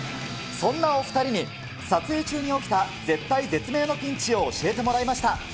そんなお２人に、撮影中に起きた絶体絶命のピンチを教えてもらいました。